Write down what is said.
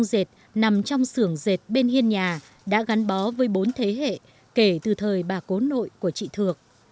các chiếc khung dệt nằm trong sưởng dệt bên hiên nhà đã gắn bó với bốn thế hệ kể từ thời bà cố nội của chị thược